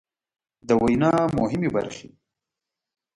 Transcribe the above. د وينا مهمې برخې